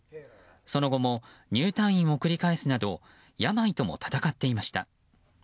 その後も入退院を繰り返すなど病とも闘っていました。